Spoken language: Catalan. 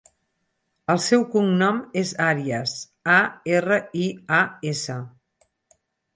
El seu cognom és Arias: a, erra, i, a, essa.